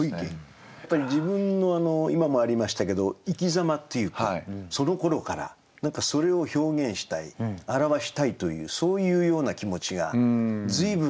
やっぱり自分の今もありましたけど生きざまっていうかそのころから何かそれを表現したい表したいというそういうような気持ちが随分旺盛にあった。